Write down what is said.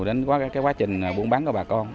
tính có cái quá trình buôn bán của bà con